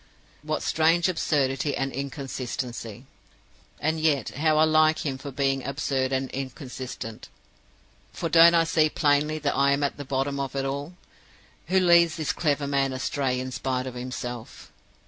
What strange absurdity and inconsistency! And yet how I like him for being absurd and inconsistent; for don't I see plainly that I am at the bottom of it all? Who leads this clever man astray in spite of himself?